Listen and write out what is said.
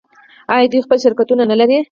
آیا دوی خپل شرکتونه نلري؟